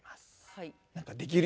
はい。